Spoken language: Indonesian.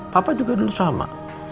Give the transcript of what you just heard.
papa juga dulu sama